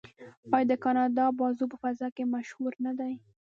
آیا د کاناډا بازو په فضا کې مشهور نه دی؟